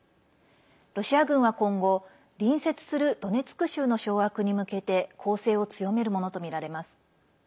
ロシア軍は今後、隣接するドネツク州の掌握に向けて攻勢を強めるものとみられます。